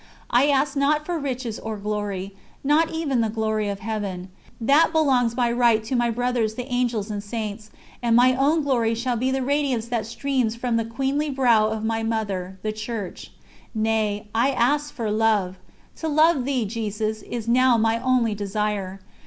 I ask not for riches or glory, not even the glory of Heaven that belongs by right to my brothers the Angels and Saints, and my own glory shall be the radiance that streams from the queenly brow of my Mother, the Church. Nay, I ask for Love. To love Thee, Jesus, is now my only desire.